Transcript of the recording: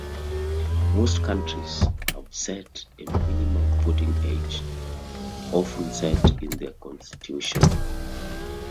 Most countries have set a minimum voting age, often set in their constitution.